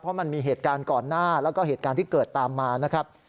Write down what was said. เพราะมันมีเหตุการณ์ก่อนหน้าแล้วก็เหตุการณ์ที่เกิดตามมานะครับ